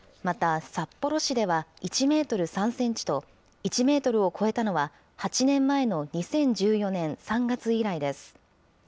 また札幌市では１メートル３センチと、１メートルを超えたのは、８年前の２０１４年３月以来です。